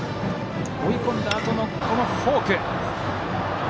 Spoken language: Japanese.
追い込んだあとのフォーク。